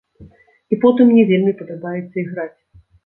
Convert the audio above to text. І потым мне вельмі падабаецца іграць.